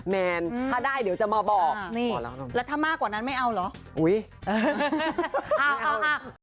แมนถ้าได้เดี๋ยวจะมาบอกแล้วถ้ามากกว่านั้นไม่เอาเหรออุ้ย